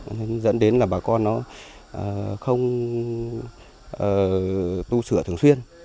nên dẫn đến là bà con nó không tu sửa thường xuyên